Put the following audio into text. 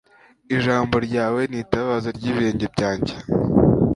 ijambo ryawe ni itabaza ry'ibirenge byanjye